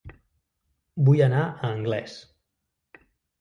Vull anar a Anglès